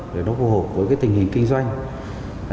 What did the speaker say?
để nó phù hợp với cái tình hình kinh doanh